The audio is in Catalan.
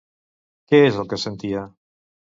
Què és el que sentia?